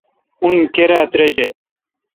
اُن کیرا تریجہ۔